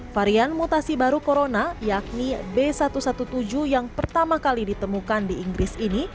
varian mutasi baru corona yakni b satu satu tujuh yang pertama kali ditemukan di inggris ini